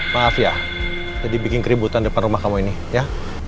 maaf ya jadi bikin keributan depan rumah kamu ini ya